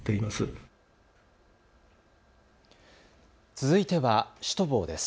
続いてはシュトボーです。